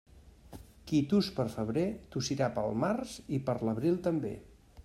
Qui tus pel febrer, tossirà pel març i per l'abril també.